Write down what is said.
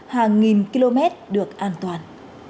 hàng nghìn km được an toàn